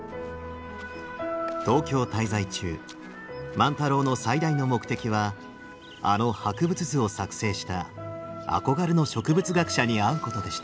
東京滞在中万太郎の最大の目的はあの博物図を作成した憧れの植物学者に会うことでした。